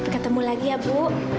ketemu lagi ya bu